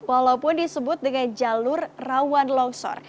walaupun disebut dengan jalur rawan longsor